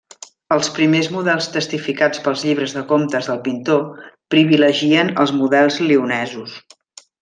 Els primers models testificats pels llibres de comptes del pintor privilegien els models lionesos.